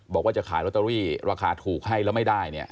บอกว่าจะขายลอตเตอรี่ราคาถูกให้แล้วไม่ได้